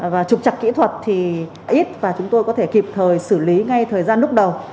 và trục trặc kỹ thuật thì ít và chúng tôi có thể kịp thời xử lý ngay thời gian lúc đầu